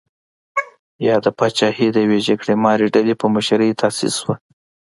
یاده پاچاهي د یوې جګړه مارې ډلې په مشرۍ تاسیس شوه.